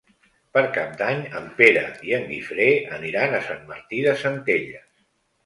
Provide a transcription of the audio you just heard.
Per Cap d'Any en Pere i en Guifré aniran a Sant Martí de Centelles.